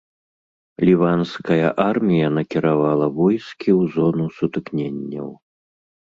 Ліванская армія накіравала войскі ў зону сутыкненняў.